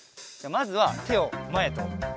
まずはてをまえとうしろ。